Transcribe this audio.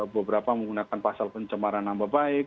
beberapa menggunakan pasal pencemaran nama baik